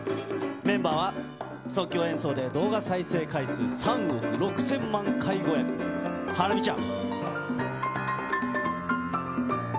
メンバーは即興演奏で、動画再生回数３億６０００万回超え、ハラミちゃん。